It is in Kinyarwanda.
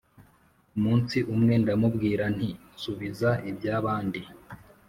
umunsi umwe ndamubwira nti “Subiza iby’abandi,